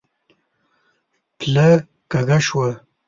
پله کږه شوه.